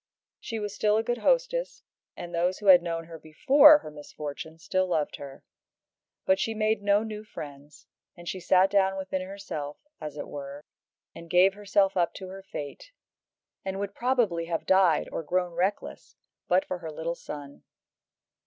She was still a good hostess, and those who had known her before her misfortune still loved her. But she made no new friends, and she sat down within herself, as it were, and gave herself up to her fate, and would probably have died or grown reckless but for her little son.